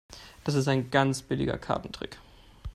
Das ist ein ganz billiger Kartentrick.